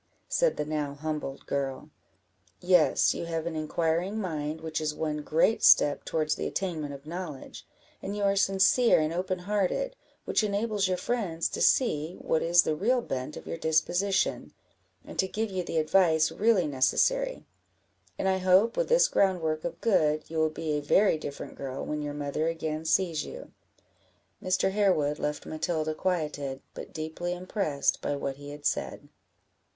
said the now humbled girl. "Yes, you have an inquiring mind, which is one great step towards the attainment of knowledge, and you are sincere and open hearted, which enables your friends to see what is the real bent of your disposition, and to give you the advice really necessary; and I hope, with this groundwork of good, you will be a very different girl when your mother again sees you." Mr. Harewood left Matilda quieted, but deeply impressed by what he had said.